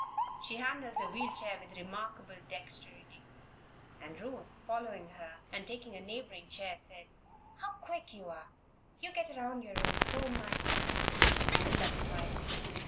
She handled the wheel chair with remarkable dexterity, and Ruth, following her and taking a neighboring chair said: "How quick you are! You get around your room so nicely. I think that's fine."